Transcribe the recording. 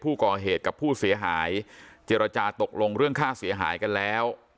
ผู้ก่อเหตุกับผู้เสียหายเจรจาตกลงเรื่องค่าเสียหายกันแล้ว